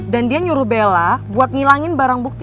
dan dia nyuruh bella buat ngilangin barang bukti